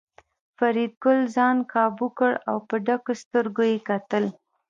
فریدګل ځان کابو کړ او په ډکو سترګو یې کتل